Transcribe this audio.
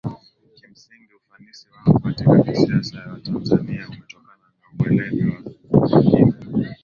Kimsingi ufanisi wangu katika siasa za Tanzania umetokana na uweledi na umakini